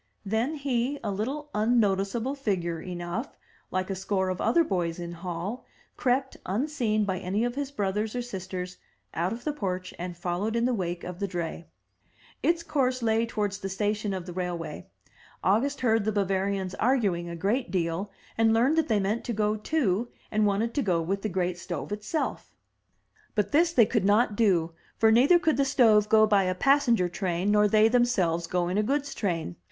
Then he, a little unnoticeable figure enough, like a score of other boys in Hall, crept, unseen by any of his brothers or sisters, out of the porch and followed in the wake of the dray. Its course lay towards the station of the railway. August heard the Bavarians arguing a great deal, and learned that they meant to go too and wanted to go with the great stove itself. 297 MY BOOK HOUSE But this they could not do, for neither could the stove go by a passenger train nor they themselves go in a goods train.